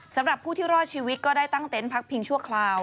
สำหรับผู้ที่รอดชีวิตก็ได้ตั้งเต็นต์พักพิงชั่วคราว